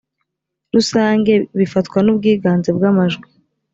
rusange bifatwa n ubwiganze bw amajwi